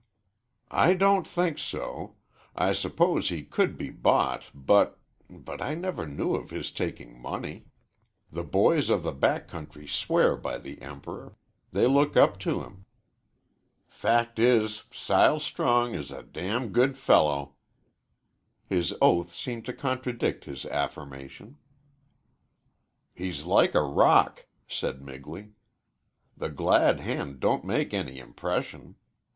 "I don't think so. I suppose he could be bought, but but I never knew of his taking money. The boys of the back country swear by the Emperor; they look up to him. Fact is, Sile Strong is a good fellow." His oath seemed to contradict his affirmation. "He's like a rock," said Migley. "The glad hand don't make any impression.